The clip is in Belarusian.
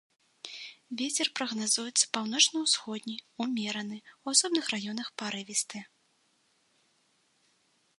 Вецер прагназуецца паўночна-ўсходні ўмераны, у асобных раёнах парывісты.